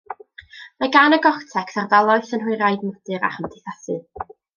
Mae gan y cortecs ardaloedd synhwyraidd, modur a chymdeithasu.